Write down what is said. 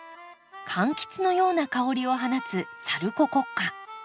かんきつのような香りを放つサルココッカ。